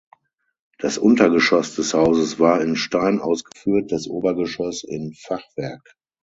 Das Untergeschoss des Hauses war in Stein ausgeführt, das Obergeschoss in Fachwerk.